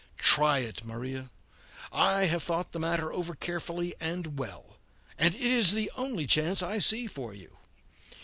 Try it, Maria. I have thought the matter over carefully and well, and it is the only chance I see for you.